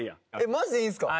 マジでいいんすか？